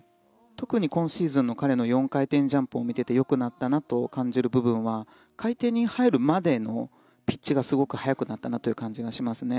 特に今シーズンの彼の４回転ジャンプを見ていてよくなったなと思う部分は回転に入るまでのピッチがすごく早くなったなという感じがしますね。